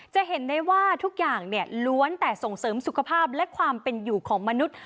จะเห็นได้ว่าทุกอย่างเนี่ยล้วนแต่ส่งเสริมสุขภาพและความเป็นอยู่ของมนุษย์